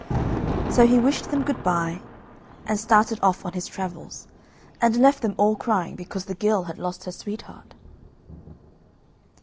So he wished them good bye, and started off on his travels, and left them all crying because the girl had lost her sweetheart.